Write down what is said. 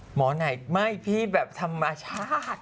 หมอไหนไม่พี่แบบธรรมชาติ